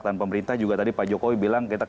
dan pemerintah juga tadi pak jokowi bilang